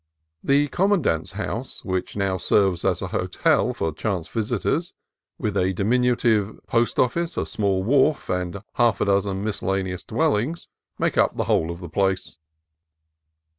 The commandant's house (which now serves as a hotel for chance visitors) , with a diminu tive post office, a small wharf, and half a dozen mis cellaneous dwellings, make up the whole of the place.